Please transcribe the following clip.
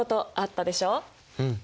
うん！